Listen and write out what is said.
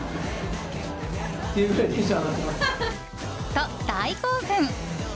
と、大興奮。